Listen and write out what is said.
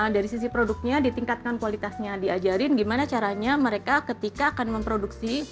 dari sisi produknya ditingkatkan kualitasnya diajarin gimana caranya mereka ketika akan memproduksi